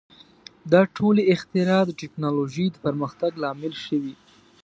• دا ټولې اختراع د ټیکنالوژۍ د پرمختګ لامل شوې.